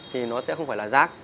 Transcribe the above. thì nó sẽ không phải là rác